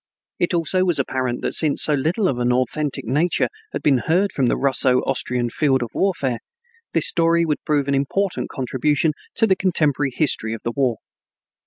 It also was apparent that since so little of an authentic nature had been heard from the Russo Austrian field of warfare, this story would prove an important contribution to the contemporary history of the war.